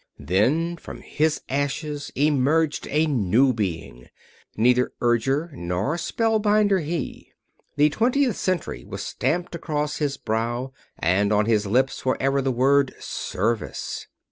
Then from his ashes emerged a new being. Neither urger nor spellbinder he. The twentieth century was stamped across his brow, and on his lips was ever the word "Service."